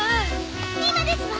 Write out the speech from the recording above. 今ですわ！